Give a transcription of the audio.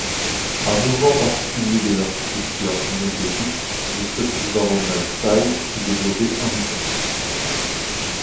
Un mouvement particulier de l'architecture néogothique, le Scottish baronial style, s'est développé en Écosse.